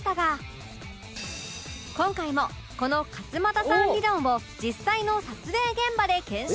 今回もこの勝俣さん理論を実際の撮影現場で検証